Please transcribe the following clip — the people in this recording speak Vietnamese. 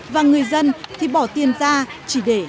và người dân thì bỏ tiền ra chỉ để